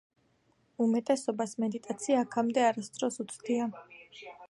უმეტესობას, მედიტაცია აქამდე არასდროს უცდია.